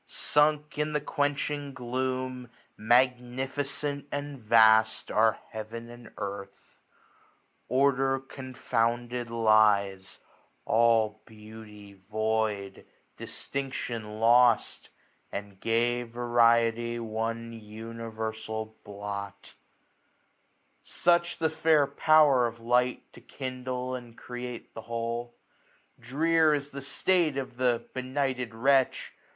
Sunk in the quenching gloom,^ Magnificent and vast, are heaven and earth, prder confounded lies ; all beauty void i V3 i64 AUTUMN, Distinction lost ; and gay variety 1 140 One universal blot : such the fair power Of light, to kindle and create the whole. Drear is the state of the benighted wretch.